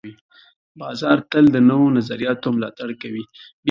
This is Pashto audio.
بازار تل د نوو نظریاتو ملاتړ کوي.